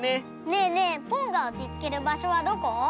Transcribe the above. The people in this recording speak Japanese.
ねえねえポンがおちつける場所はどこ？